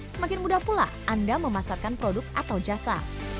semakin mudah pula anda memasarkan produk atau jasa